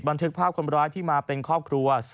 บันทึกภาพคนร้ายที่มาเป็นครอบครัว